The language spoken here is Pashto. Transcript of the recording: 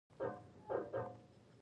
کچالو د جګړو پر مهال اسانه خواړه دي